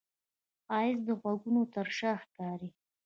ښایست د غږونو تر شا ښکاري